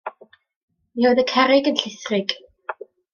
Mi oedd y cerrig yn llithrig.